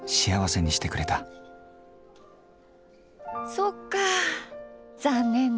そっか残念ネ。